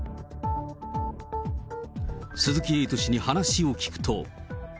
鈴木エイト氏に話を聞くと。